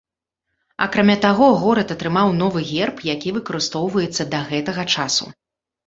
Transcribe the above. Акрамя таго, горад атрымаў новы герб, які выкарыстоўваецца да гэтага часу.